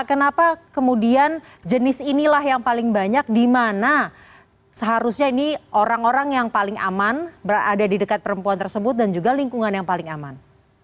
kenapa kemudian jenis inilah yang paling banyak di mana seharusnya ini orang orang yang paling aman berada di dekat perempuan tersebut dan juga lingkungan yang paling aman